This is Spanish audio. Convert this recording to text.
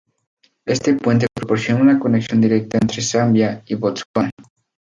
Este puente proporciona una conexión directa entre Zambia y Botsuana.